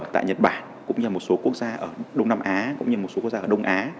tại nhật bản cũng như một số quốc gia ở đông nam á cũng như một số quốc gia ở đông á